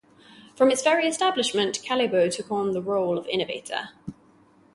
From its very establishment, Callebaut took on the role of innovator.